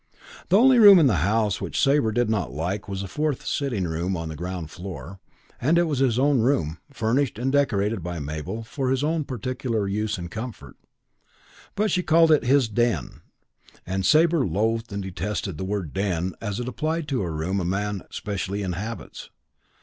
The only room in the house which Sabre did not like was the fourth sitting room on the ground floor; and it was his own room, furnished and decorated by Mabel for his own particular use and comfort. But she called it his "den", and Sabre loathed and detested the word den as applied to a room a man specially inhabits.